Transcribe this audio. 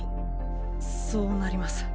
そうなります。